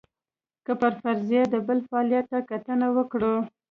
که پر فرضیه د بل فعالیت ته کتنه وکړو.